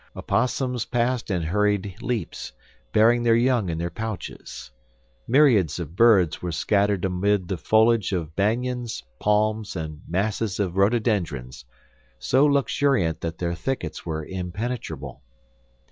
Opossums passed in hurried leaps, bearing their young in their pouches. Myriads of birds were scattered amid the foliage of banyans, palms, and masses of rhododendrons, so luxuriant that their thickets were impenetrable.